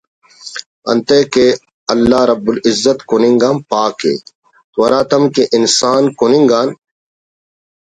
انتئے کہ اللہ رب العزت کننگ آن پاک ءِ تو ہراتم کہ انسان کننگ آن